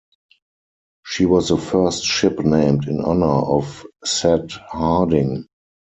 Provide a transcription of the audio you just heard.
She was the first ship named in honor of Seth Harding.